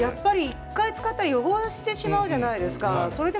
１回使ったら汚してしまうじゃないですか。